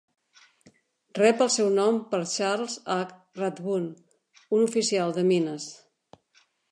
Rep el seu nom per Charles H. Rathbun, un oficial de mines